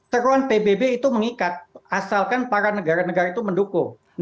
teruan pbb itu mengikat asalkan para negara negara itu mendukung